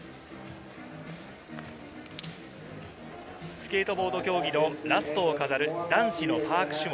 スケートボード競技のラストを飾る男子パーク種目。